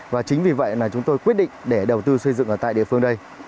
và chính vì vậy là chúng tôi quyết định để đầu tư xây dựng ở tại địa phương đây